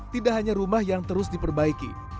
tidak hanya rumah yang terus diperbaiki